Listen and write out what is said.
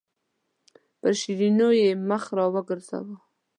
پر شیرینو یې مخ راوګرځاوه.